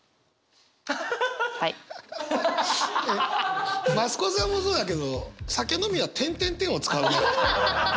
えっ増子さんもそうだけど酒飲みは「」を使うね。